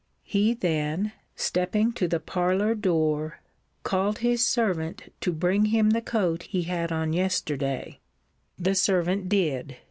He then stepping to the parlour door, called his servant to bring him the coat he had on yesterday. The servant did.